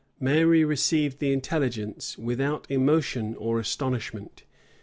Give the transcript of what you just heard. Mary received the intelligence without emotion or astonishment.